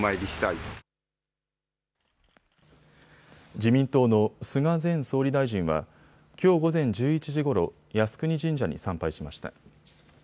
自民党の菅前総理大臣はきょう午前１１時ごろ靖国神社に参拝しました。